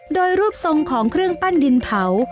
โดยรูปทรงของเครื่องปั้นดินเผา